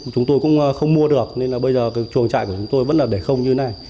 chúng tôi cũng không mua được nên là bây giờ chuồng trại của chúng tôi vẫn là để không như thế này